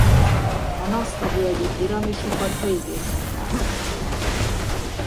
A nazca-völgyi piramisokat régészek tárták fel.